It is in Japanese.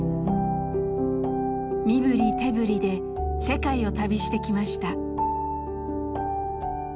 身振り手振りで世界を旅してきました。